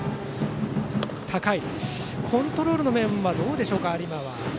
コントロールの面は有馬、どうでしょうか。